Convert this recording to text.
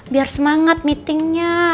biar semangat meetingnya